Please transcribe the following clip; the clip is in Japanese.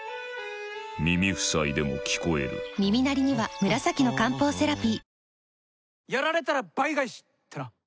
耳塞いでも聞こえる耳鳴りには紫の漢方セラピー